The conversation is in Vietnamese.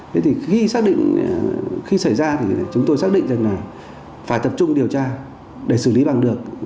thế thì khi xảy ra thì chúng tôi xác định rằng là phải tập trung điều tra để xử lý bằng được